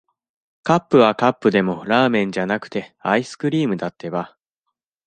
カップはカップでも、ラーメンじゃなくて、アイスクリームだってば。